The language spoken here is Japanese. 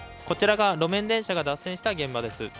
こちらが路面電車が脱線した現場です。